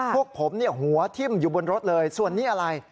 พวกผมเนี่ยหัวทิ้มอยู่บนรถเลยส่วนนี้อะไร